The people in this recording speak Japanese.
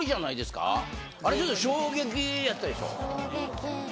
あれちょっと衝撃やったでしょ？